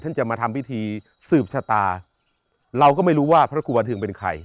จะมาทำพิธีสืบชะตาเราก็ไม่รู้ว่าพระครูบันเทิงเป็นใคร